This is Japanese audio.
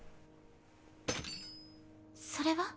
それは？